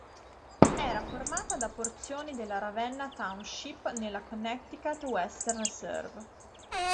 Era formata da porzioni della Ravenna Township nella Connecticut Western Reserve.